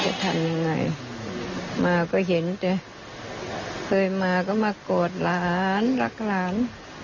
จะทำยังไงมาก็เห็นแต่เคยมาก็มากอดหลานรักหลาน